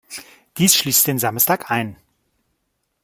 Dies schließt den Samstag ein.